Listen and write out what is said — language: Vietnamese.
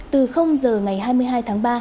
từ h ngày hai mươi hai tháng ba